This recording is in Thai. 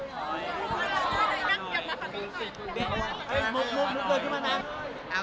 สร้างจริงแล้ว